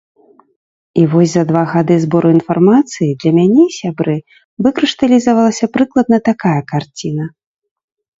І вось за два гады збору інфармацыі для мяне, сябры, выкрышталізавалася прыкладна такая карціна.